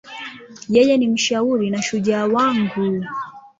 Yeye ni mshauri na shujaa wangu.